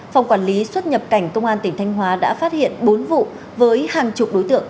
phòng quản lý xuất nhập cảnh công an tỉnh thanh hóa đã phát hiện bốn vụ với hàng chục đối tượng